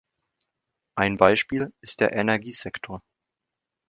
Ein Beispiel ist der Energiesektor.